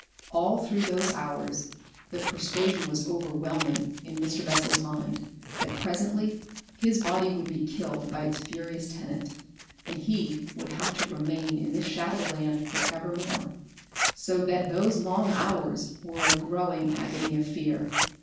All through those hours the persuasion was overwhelming in Mr. Bessel's mind that presently his body would be killed by its furious tenant, and he would have to remain in this shadow land for evermore. So that those long hours were a growing agony of fear.